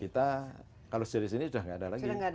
kita kalau sejenis ini sudah tidak ada lagi